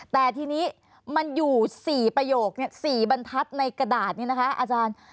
แต่ทีนี้มันอยู่๔ประโยค๔บรรทัศน์ในกระดาษนี้นะคะอาจารย์